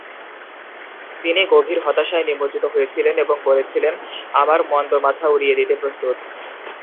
তিনি গভীর হতাশায় নিমজ্জিত হয়েছিলেন এবং বলেছিলেন "আমার মন্দ মাথা উড়িয়ে দিতে প্রস্তুত"।